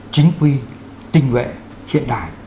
chính quy tinh nguyện hiện đại